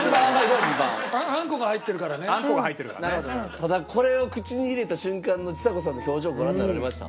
ただこれを口に入れた瞬間のちさ子さんの表情ご覧になられました？